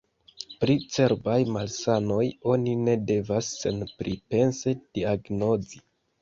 Pri cerbaj malsanoj oni ne devas senpripense diagnozi.